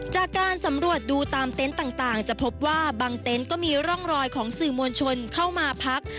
จากการสำรวจดูตามเต็นต์ต่างจะพบว่าบางเต็นต์ก็มีร่องรอยของสื่อมวลชนเข้ามาพัก